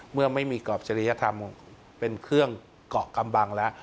เมื่อไม่มีกรอบจริยธรรมเป็นเครื่องเกาะกำบังแล้ว